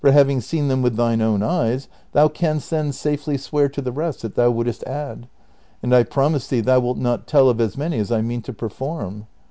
having seen tliem with thine own eyes, thoii canst then safely swear to the rest that thou wouklst add ; and I promise thee thou wilt not tell of as many as I mean to perform."